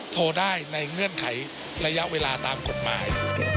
โทรได้ในเงื่อนไขระยะเวลาตามกฎหมาย